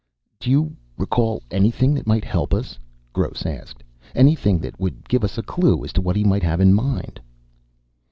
"Do you recall anything that might help us?" Gross asked. "Anything that would give us a clue as to what he might have in mind?"